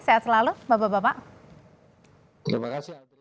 sehat selalu bapak bapak